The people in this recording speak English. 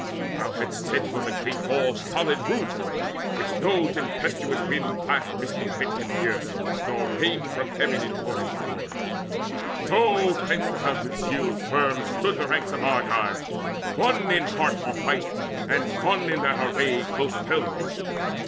Thou hadst said it was a great hall's solid roof, Which no tempestuous wind blast misty wet Can pierce, nor rain from heaven in torrents poured. So fenced about with shields firm stood the ranks Of Argives, one in heart for fight, and one In that array close welded.